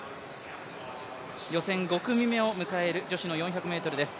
予選５組目を迎える女子４００ｍです。